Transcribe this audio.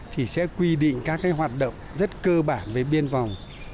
thì sẽ quy định các cái hoạt động rất cơ bản với biên phòng